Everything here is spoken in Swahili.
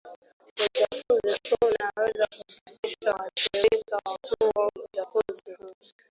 Uchafuzi huu unaweza kupitishwa Waathirika wakuu wa uchafuzi huu